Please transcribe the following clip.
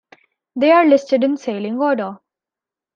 They are listed in sailing order.